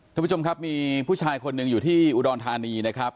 ท่านผู้ชมครับมีผู้ชายคนหนึ่งอยู่ที่อุดรธานีนะครับ